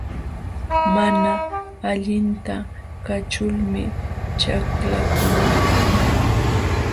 Mana allinta kaćhulmi chaklaqluu.